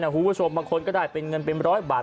หูหูทุกคนชมบางคนก็ได้เป็นเงินเป็น๑๐๐บาท